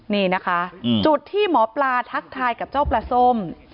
นี่นะคะจุดที่หมอปลาทักทายกับเจ้าปลาส้ม